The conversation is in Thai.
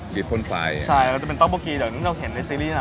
ชีสพ่นไฟใช่จะเป็นต๊อกโบกี้อย่างที่เราเห็นในซีรีส์หน้า